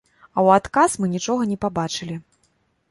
А ў адказ мы нічога не пабачылі.